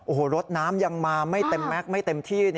โอ้โหรสน้ำยังมาไม่เต็มที่